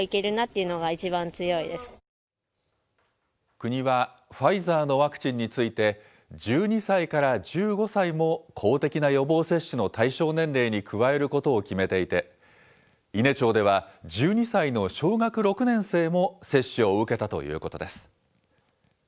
国はファイザーのワクチンについて、１２歳から１５歳も公的な予防接種の対象年齢に加えることを決めていて、伊根町では１２歳の小学６年生も接種を受けたということです。